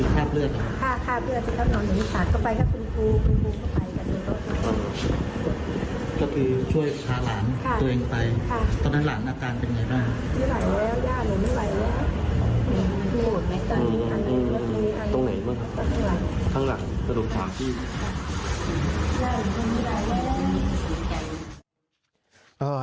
ก็ต้องถามพี่